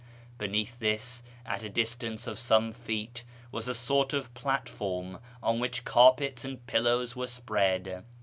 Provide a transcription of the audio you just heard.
Beneath this, at a distance of some feet, was a sort of plat orm on which carpets and pillows were spread.